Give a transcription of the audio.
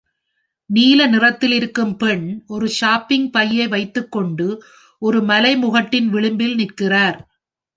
நீலத்திலிருக்கும் பெண் ஒரு ஷாப்பிங் பையை வைத்துக்கொண்டு ஒரு மலைமுகட்டின் விளம்பில் நிற்கிறார்.